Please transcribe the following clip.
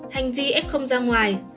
hành vi f ra ngoài